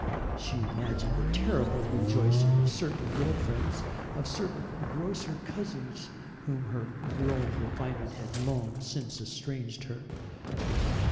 She imagined the terrible rejoicings of certain girl friends, of certain grocer cousins from whom her growing refinement had long since estranged her.